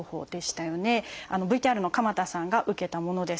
ＶＴＲの鎌田さんが受けたものです。